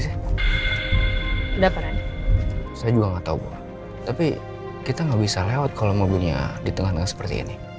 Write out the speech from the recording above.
gimana punjaranya saya harus keluar dari tempat ini